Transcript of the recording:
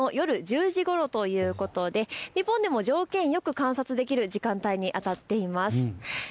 時刻は１２月１４日、きょうの夜１０時ごろということで日本でも条件よく観察できる時間帯にあたっています。